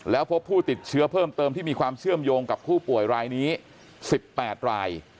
แล้วพบผู้ติดเชื้อเพิ่มเติมที่มีความเชื่อมโยงกับผู้ป่วยรายนี้๑๘ราย